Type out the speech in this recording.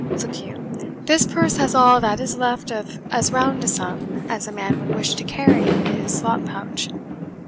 Look you, this purse has all that is left of as round a sum as a man would wish to carry in his slop pouch.